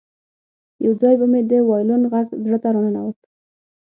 یو ځای به مې د وایلون غږ زړه ته راننوت